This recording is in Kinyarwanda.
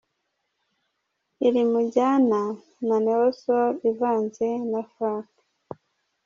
Iri mu njyana ya Neo soul ivanze na funk.